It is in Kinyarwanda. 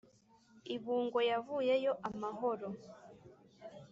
I Bungwe yavuyeyo amahoro